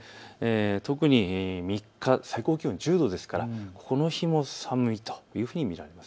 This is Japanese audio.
特に３日、最高気温１０度ですからこの日も寒いというふうに見られます。